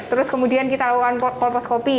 terus kemudian kita lakukan kolposcopy